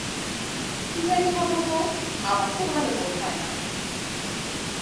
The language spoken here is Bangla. কী জানি ঠাকুরপো, আমার তো ভালো বোধ হয় না।